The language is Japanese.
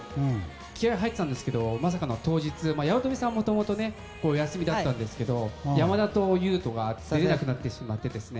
気合入ってたんですけどまさかの当日八乙女さんはもともとお休みだったんですけど山田と裕翔が出れなくなってしまって。